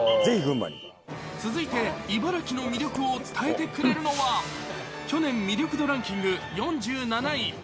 続いて、茨城の魅力を伝えてくれるのは、去年、魅力度ランキング４７位。